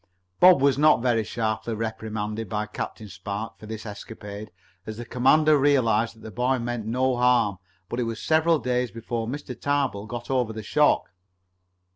Bob was not very sharply reprimanded by Captain Spark for this escapade, as the commander realized that the boy meant no harm. But it was several days before Mr. Tarbill got over the shock.